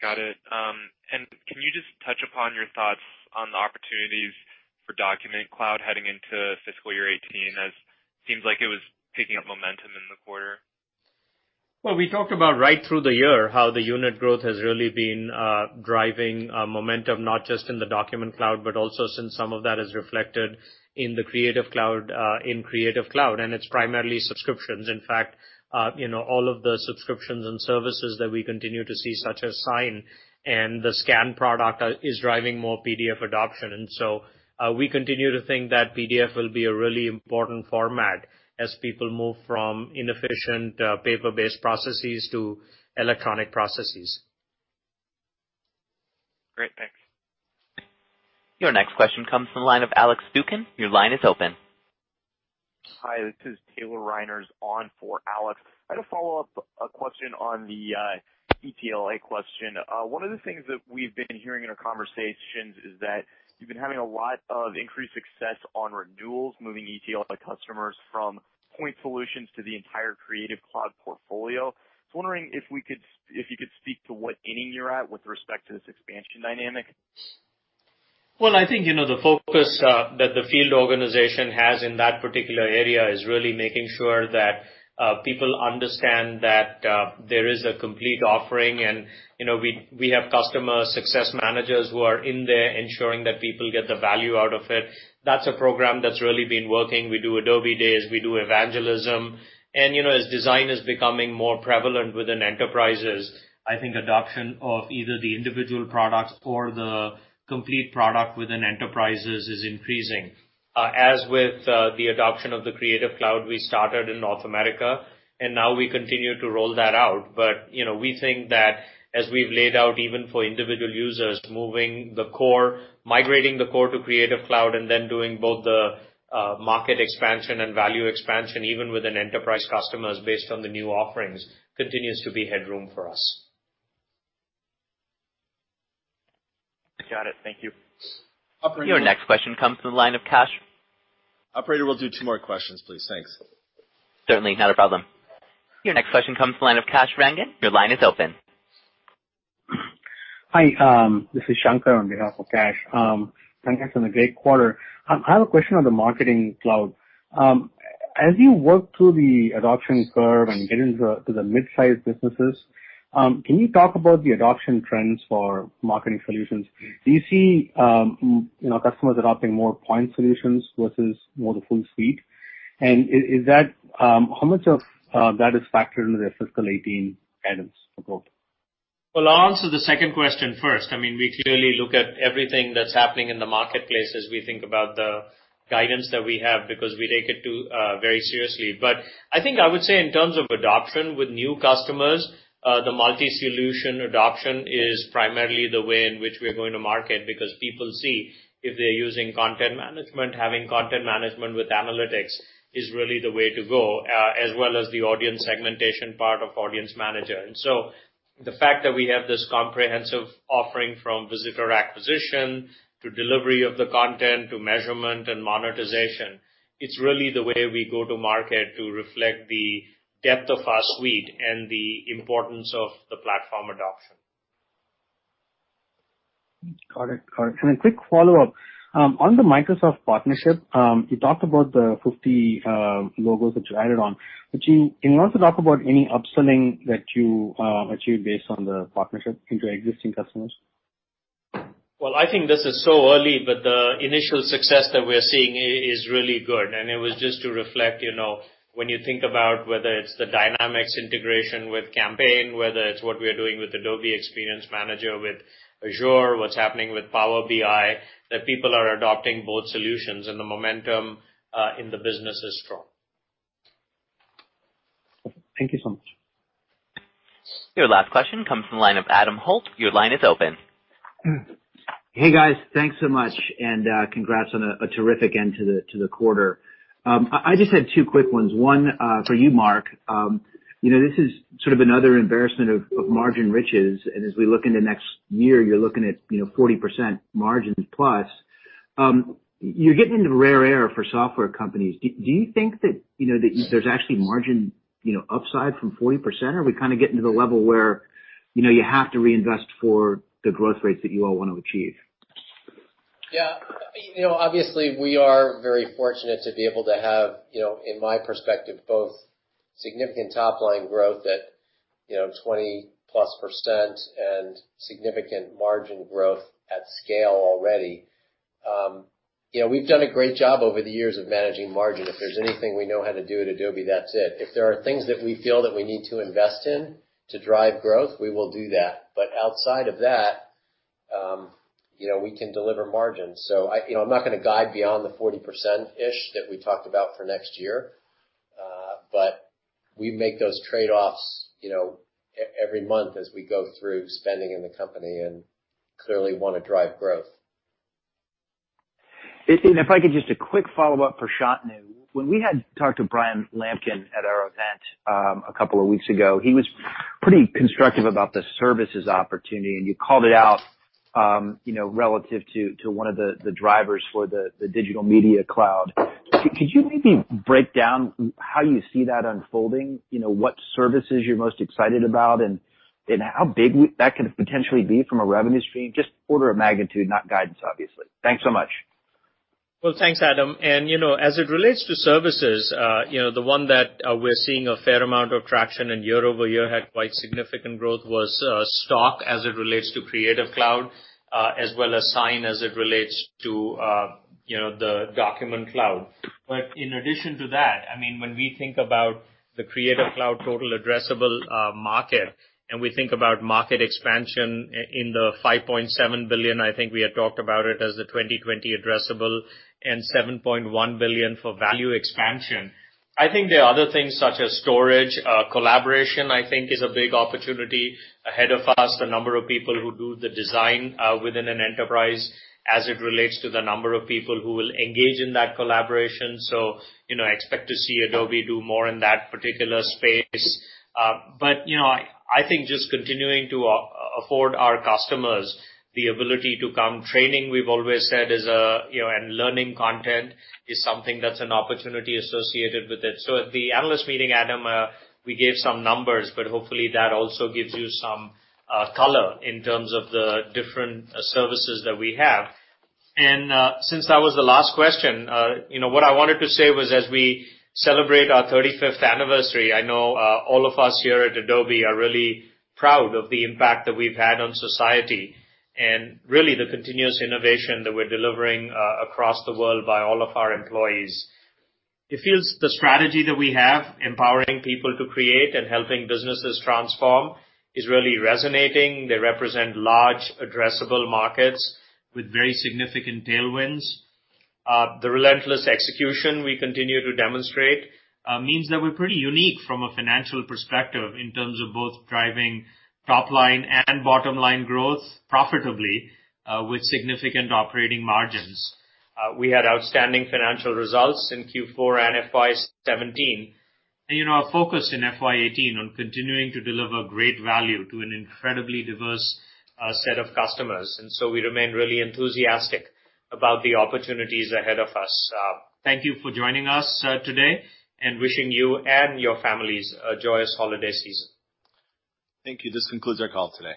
Got it. Can you just touch upon your thoughts on the opportunities for Document Cloud heading into fiscal year 2018, as seems like it was picking up momentum in the quarter? Well, we talked about right through the year how the unit growth has really been driving momentum, not just in the Document Cloud, but also since some of that is reflected in Creative Cloud, and it's primarily subscriptions. In fact, all of the subscriptions and services that we continue to see, such as Sign and the Scan product, is driving more PDF adoption. We continue to think that PDF will be a really important format as people move from inefficient paper-based processes to electronic processes. Great. Thanks. Your next question comes from the line of Alex Zukin. Your line is open. Hi, this is Taylor Reiners on for Alex. I had a follow-up question on the ETLA question. One of the things that we've been hearing in our conversations is that you've been having a lot of increased success on renewals, moving ETLA customers from point solutions to the entire Creative Cloud portfolio. Wondering if you could speak to what inning you're at with respect to this expansion dynamic. I think, the focus that the field organization has in that particular area is really making sure that people understand that there is a complete offering, and we have customer success managers who are in there ensuring that people get the value out of it. That's a program that's really been working. We do Adobe Days, we do evangelism, and as design is becoming more prevalent within enterprises, I think adoption of either the individual products or the complete product within enterprises is increasing. As with the adoption of the Creative Cloud, we started in North America, and now we continue to roll that out. We think that as we've laid out, even for individual users, moving the core, migrating the core to Creative Cloud, and then doing both the market expansion and value expansion, even within enterprise customers based on the new offerings, continues to be headroom for us. Got it. Thank you. Your next question comes from the line of Kash- Operator, we'll do two more questions, please. Thanks. Certainly. Not a problem. Your next question comes from the line of Kash Rangan. Your line is open. Hi, this is Shankar on behalf of Kash. Congratulations on a great quarter. I have a question on the Marketing Cloud. As you work through the adoption curve and get into the midsize businesses, can you talk about the adoption trends for marketing solutions? Do you see customers adopting more point solutions versus more the full suite? How much of that is factored into the fiscal 2018 guidance for growth? Well, I mean, we clearly look at everything that's happening in the marketplace as we think about the guidance that we have, because we take it very seriously. I think I would say in terms of adoption with new customers, the multi-solution adoption is primarily the way in which we are going to market, because people see if they're using content management, having content management with analytics is really the way to go, as well as the audience segmentation part of Adobe Audience Manager. So the fact that we have this comprehensive offering from visitor acquisition to delivery of the content to measurement and monetization, it's really the way we go to market to reflect the depth of our suite and the importance of the platform adoption. Got it. A quick follow-up. On the Microsoft partnership, you talked about the 50 logos which you added on. Can you also talk about any upselling that you achieved based on the partnership into existing customers? Well, I think this is so early, but the initial success that we're seeing is really good, and it was just to reflect, when you think about whether it's the Dynamics integration with Campaign, whether it's what we are doing with Adobe Experience Manager, with Azure, what's happening with Power BI, that people are adopting both solutions and the momentum in the business is strong. Thank you so much. Your last question comes from the line of Adam Holt. Your line is open. Hey, guys. Thanks so much, and congrats on a terrific end to the quarter. I just had two quick ones. One for you, Mark. This is sort of another embarrassment of margin riches, and as we look into next year, you're looking at 40% margins plus. You're getting into the rare air for software companies. Do you think that there's actually margin upside from 40%? Are we kind of getting to the level where you have to reinvest for the growth rates that you all want to achieve? Yeah. Obviously, we are very fortunate to be able to have, in my perspective, both significant top-line growth at 20-plus % and significant margin growth at scale already. We've done a great job over the years of managing margin. If there's anything we know how to do at Adobe, that's it. If there are things that we feel that we need to invest in to drive growth, we will do that. Outside of that, we can deliver margins. I'm not going to guide beyond the 40%-ish that we talked about for next year. We make those trade-offs every month as we go through spending in the company and clearly want to drive growth. If I could, just a quick follow-up for Shantanu. When we had talked to Bryan Lamkin at our event a couple of weeks ago, he was pretty constructive about the services opportunity, and you called it out relative to one of the drivers for the Digital Media Cloud. Could you maybe break down how you see that unfolding? What services you're most excited about, and how big that could potentially be from a revenue stream? Just order of magnitude, not guidance, obviously. Thanks so much. Well, thanks, Adam. As it relates to services, the one that we're seeing a fair amount of traction and year-over-year had quite significant growth was Stock as it relates to Creative Cloud, as well as Sign as it relates to the Document Cloud. In addition to that, when we think about the Creative Cloud total addressable market, and we think about market expansion in the $5.7 billion, I think we had talked about it as the 2020 addressable, and $7.1 billion for value expansion. I think there are other things such as storage. Collaboration, I think is a big opportunity ahead of us. The number of people who do the design within an enterprise as it relates to the number of people who will engage in that collaboration. Expect to see Adobe do more in that particular space. I think just continuing to afford our customers the ability to come. Training, we've always said, and learning content is something that's an opportunity associated with it. At the analyst meeting, Adam, we gave some numbers, but hopefully, that also gives you some color in terms of the different services that we have. Since that was the last question, what I wanted to say was as we celebrate our 35th anniversary, I know all of us here at Adobe are really proud of the impact that we've had on society and really the continuous innovation that we're delivering across the world by all of our employees. It feels the strategy that we have, empowering people to create and helping businesses transform, is really resonating. They represent large addressable markets with very significant tailwinds. The relentless execution we continue to demonstrate means that we're pretty unique from a financial perspective in terms of both driving top-line and bottom-line growth profitably with significant operating margins. We had outstanding financial results in Q4 and FY 2017, and our focus in FY 2018 on continuing to deliver great value to an incredibly diverse set of customers. We remain really enthusiastic about the opportunities ahead of us. Thank you for joining us today and wishing you and your families a joyous holiday season. Thank you. This concludes our call today.